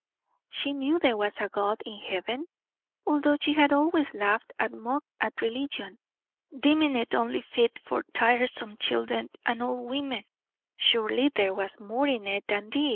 She knew there was a God in heaven, although she had always laughed and mocked at religion, deeming it only fit for tiresome children and old women; surely there was more in it than this.